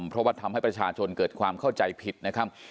เพราะว่าทำให้ประชาชนเกิดความเข้าใจผิดนะครับ